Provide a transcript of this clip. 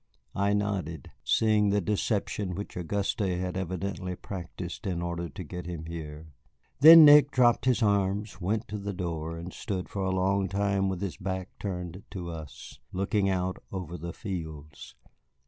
I nodded, seeing the deception which Auguste had evidently practised in order to get him here. Then Nick dropped his arms, went to the door, and stood for a long time with his back turned to us, looking out over the fields.